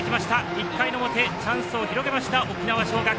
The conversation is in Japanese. １回の表、チャンスを広げました沖縄尚学。